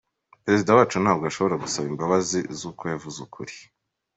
Perezida wacu ntabwo ashobora gusaba imbabazi z’uko yavuze ukuri!”